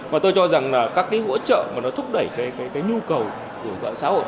mà tôi cho rằng là các cái hỗ trợ mà nó thúc đẩy cái nhu cầu của xã hội